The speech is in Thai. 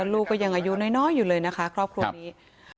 ลูกก็ยังอายุน้อยอยู่เลยนะคะครอบครัวนี้